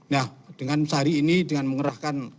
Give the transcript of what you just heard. nah dengan sehari ini dengan mengerahkan